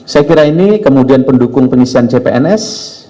saya kira ini kemudian pendukung pengisian cpns